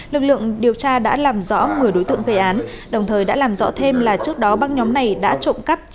lực lượng điều tra đã làm rõ một mươi đối tượng gây án đồng thời đã làm rõ thêm là trước đó băng nhóm này đã trộm cắp